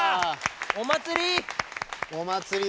お祭り！